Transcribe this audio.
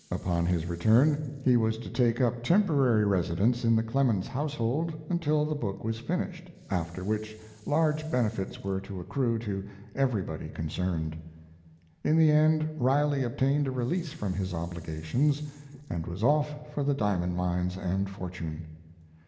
Upon his return he was to take up temporary residence in the Clemens household until the book was finished, after which large benefits were to accrue to everybody concerned. In the end Riley obtained a release from his obligations and was off for the diamond mines and fortune.